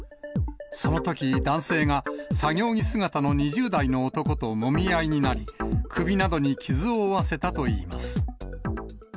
そのとき、男性が作業着姿の２０代の男ともみ合いになり、首などに傷を負わせたといいます。